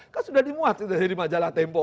kan sudah dimuat dari majalah tempo